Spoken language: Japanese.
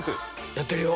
やってるよ。